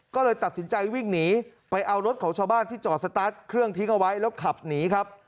ก็เลยตัดสินใจวิ่งหนีไปเอารถของชาวบ้านที่จอดสตาร์ทเครื่องทิ้งเอาไว้แล้วขับหนีครับ